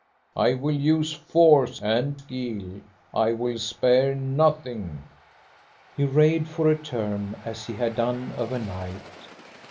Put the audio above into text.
I will use force and guile. I will spare nothing." He raved for a term, as he had done overnight.